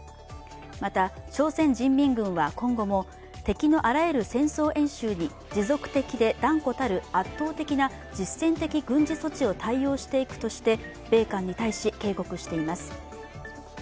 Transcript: また、朝鮮人民軍は今後も敵のあらゆる戦争演習に持続的で断固たる圧倒的な実践的軍事措置を対応していくとして米韓に対し、警告しています。